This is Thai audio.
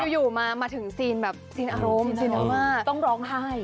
อยู่มาถึงซีนแบบซีนอารมณ์ซีนต้องร้องไห้